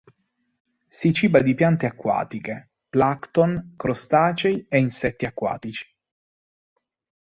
Si ciba di piante acquatiche, plancton, crostacei e insetti acquatici.